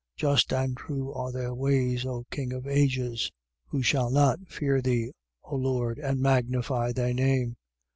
Just and true are thy ways, O King of ages. 15:4. Who shall not fear thee, O Lord, and magnify thy name?